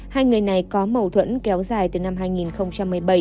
hai người này có mâu thuẫn kéo dài từ năm hai nghìn một mươi bảy